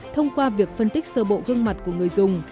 thông qua việc phân tích sơ bộ gương mặt của người dùng